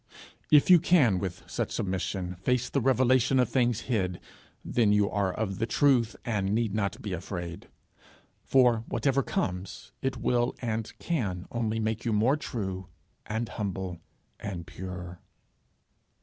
If you can with such submission face the revelation of things hid, then you are of the truth, and need not be afraid; for, whatever comes, it will and can only make you more true and humble and pure.